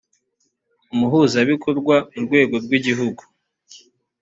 umuhuzabikorwa mu rwego rw igihugu